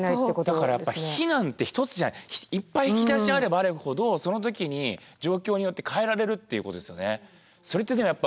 だからやっぱ避難って一つじゃいっぱい引き出しあればあるほどその時に状況によって変えられるっていうことですよね。